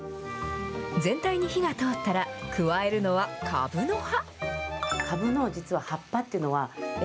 全体に火が通ったら、加えるのは、かぶの葉。